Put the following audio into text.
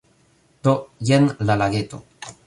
Do, jen la lageto